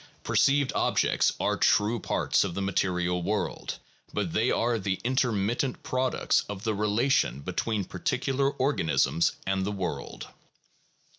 Perceived objects are true parts of the material world, but they are the intermittent products of the relation between particular organisms and the world.